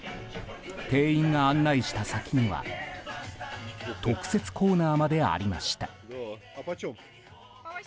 店員が案内した先には特設コーナーまでありました。